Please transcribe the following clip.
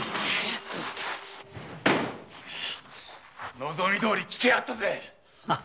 望みどおりきてやったぜ！